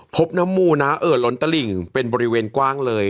พบน้ำมูนะเอ่อล้นตลิ่งเป็นบริเวณกว้างเลย